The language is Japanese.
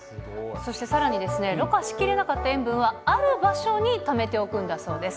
そしてさらに、ろ過しきれなかった塩分は、ある場所にためておくんだそうです。